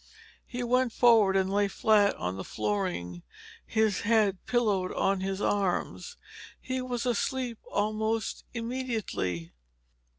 He went forward and lay flat on the flooring, his head pillowed on his arms. He was asleep almost immediately.